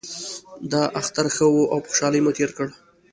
دا اختر ښه و او په خوشحالۍ مو تیر کړ